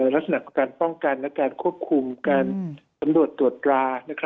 ลักษณะของการป้องกันและการควบคุมการสำรวจตรวจตรา